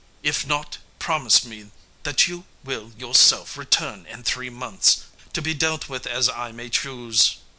If not, promise that you will yourself return in three months, to be dealt with as I may choose."